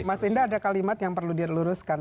mas indah ada kalimat yang perlu diluruskan